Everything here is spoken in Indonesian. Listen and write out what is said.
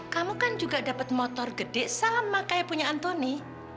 kamu kan juga dapat motor gede sama kayak punya antoni